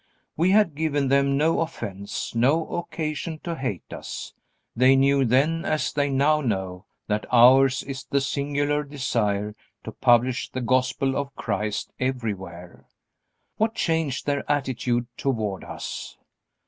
We had given them no offense, no occasion to hate us. They knew then as they know now that ours is the singular desire to publish the Gospel of Christ everywhere. What changed their attitude toward us?